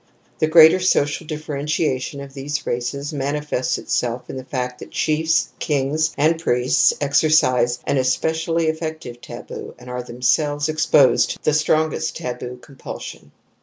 The greater social differentiation of these races mani fests itself in the fact that chiefs, kings and priests exercise an especially effective taboo and are themselves exposed to the strongest taboo compulsion.